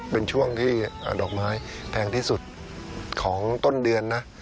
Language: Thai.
เป็นช่วงที่ดอกไม้แพงที่สุดของต้นเดือนนะ